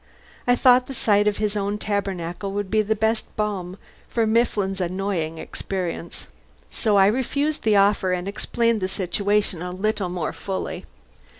I thought the sight of his own tabernacle would be the best balm for Mifflin's annoying experience. So I refused the offer, and explained the situation a little more fully.